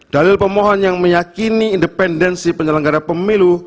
dalil pemohon yang meyakini independensi penyelenggara pemilu